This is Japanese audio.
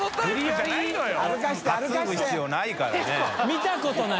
見たことない。